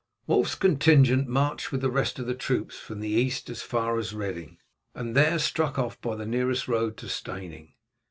Wulf's contingent marched with the rest of the troops from the east as far as Reading, and there struck off by the nearest road to Steyning.